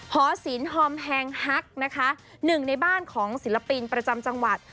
หอศิลปอมแฮงฮักนะคะหนึ่งในบ้านของศิลปินประจำจังหวัด